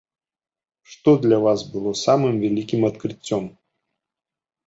Што для вас было самым вялікім адкрыццём?